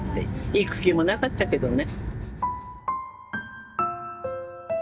行く気もなかったけどね。